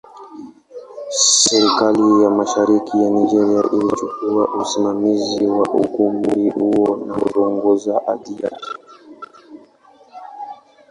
Serikali ya Mashariki ya Nigeria ilichukua usimamizi wa ukumbi huo na kuongeza hadhi yake.